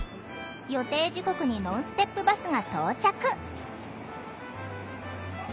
予定時刻にノンステップバスが到着。